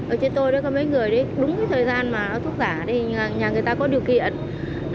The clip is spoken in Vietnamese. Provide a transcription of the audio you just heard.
ở trên tôi có mấy người đúng thời gian thuốc giả thì nhà người ta có điều kiện